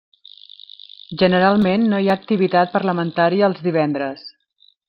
Generalment no hi ha activitat parlamentària els divendres.